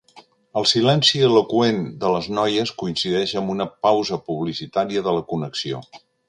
El silenci eloqüent de les noies coincideix amb una pausa publicitària de la connexió.